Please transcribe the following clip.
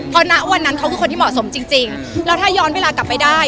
เพราะณวันนั้นเขาคือคนที่เหมาะสมจริงแล้วถ้าย้อนเวลากลับไปได้